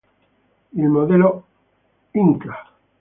Il modello Mk.